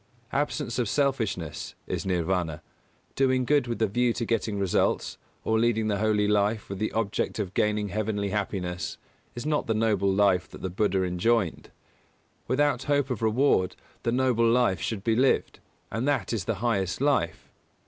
Absence of selfishness is Nirvāna. Doing good with the view to getting results, or leading the holy life with the object of gaining heavenly happiness, is not the Noble Life that the Buddha enjoined. Without hope of reward the Noble Life should be lived, and that is the highest life.